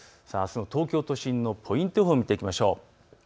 あすの東京都心のポイント予報を見ていきましょう。